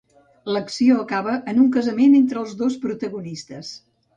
L'acció acaba en un casament entre els dos protagonistes.